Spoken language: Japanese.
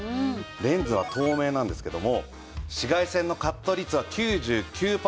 レンズは透明なんですけども紫外線のカット率は９９パーセント以上。